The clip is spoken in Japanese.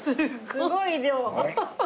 すごい量。